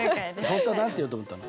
本当は何て言おうと思ったの？